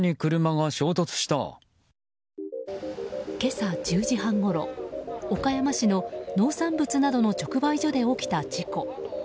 今朝１０時半ごろ、岡山市の農産物などの直売所で起きた事故。